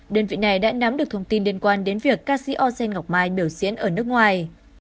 đơn vị này đã nắm được thông tin liên quan đến việc ca sĩ osen ngọc mai biểu diễn ở nước ngoài